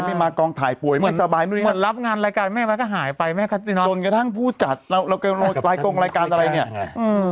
ไม่มากองถ่ายป่วยไม่สบายหมดรับงานรายการแม่แม่ก็หายไปแม่จนกระทั่งพูดจัดเราเราก็รู้รายกรงรายการอะไรเนี้ยอืม